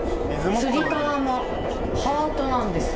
つり革もハートなんですよ。